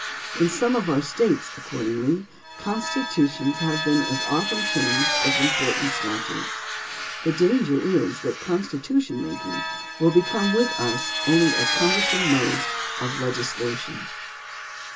In some of our States, accordingly, constitutions have been as often changed as im portant statutes. The danger is that constitution making will become with us only a cumbrous mode of legislation.